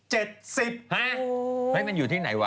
เฮ้ยมันอยู่ที่ไหนวะ